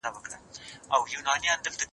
دا بدلون څنګه راغی؟